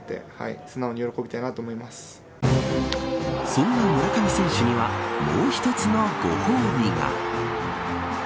そんな村上選手にはもう一つのご褒美が。